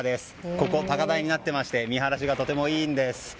ここは高台になっていまして見晴らしがとてもいいんです。